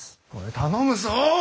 頼むぞ！